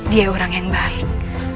dia orang yang baik